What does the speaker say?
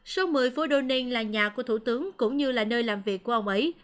số một mươi phố doning là nhà của thủ tướng cũng như là nơi làm việc của ông ấy